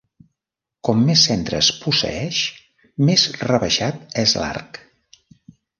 Com més centres posseeix, més rebaixat és l'arc.